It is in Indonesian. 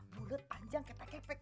bulat panjang kata kata